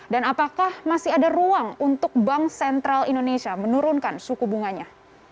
dan apakah masih ada ruang untuk bank sentral indonesia menurunkan suku bunganya